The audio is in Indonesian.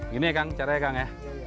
gini ya kang caranya ya kang ya